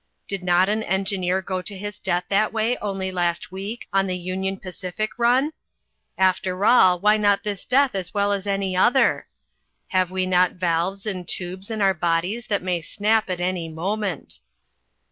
Did not an engineer go to his death that way only last week on the Union Pacific run? After all, why not this death as well as any other? Have we not valves and tubes in our bodies that may snap at any moment!